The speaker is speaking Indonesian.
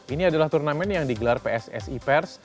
ini adalah turnamen yang digelar pssi pers